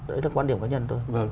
đấy là quan điểm cá nhân tôi